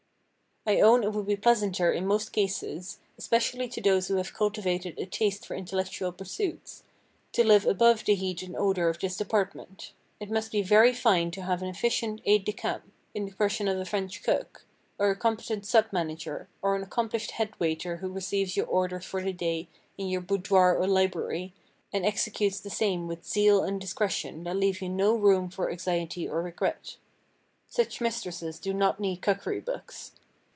I own it would be pleasanter in most cases, especially to those who have cultivated a taste for intellectual pursuits, to live above the heat and odor of this department. It must be very fine to have an efficient aide de camp in the person of a French cook, or a competent sub manager, or an accomplished head waiter who receives your orders for the day in your boudoir or library, and executes the same with zeal and discretion that leave you no room for anxiety or regret. Such mistresses do not need cookery books.